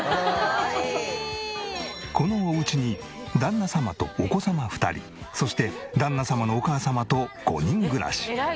このお家に旦那様とお子様２人そして旦那様のお母様と５人暮らし。